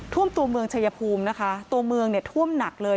ท่วมตัวเมืองชายภูมินะคะตัวเมืองเนี่ยท่วมหนักเลย